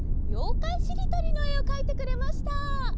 「ようかいしりとり」のえをかいてくれました！